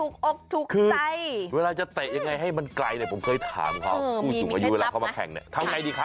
กีฬาพื้นบ้านยอดฮิตก็คือดิ